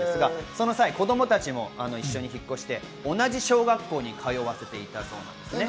その際、子供たちも一緒に引っ越して、同じ小学校に通わせていたそうです。